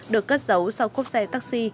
được cất giấu sau cốp xe taxi